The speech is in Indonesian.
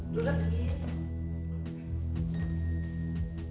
duh kan chris